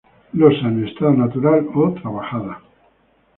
Losa en estado natural o trabajada.